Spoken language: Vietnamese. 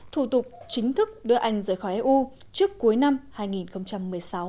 thủ tục chính thức đưa anh rời khỏi eu trước cuối năm hai nghìn một mươi sáu